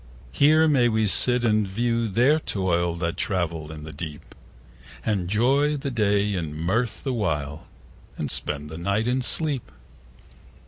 Here may we sit and view their toil 5 That travail in the deep, And joy the day in mirth the while, And spend the night in sleep.